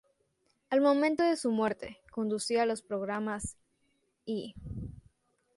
Al momento de su muerte, conducía los programas "E!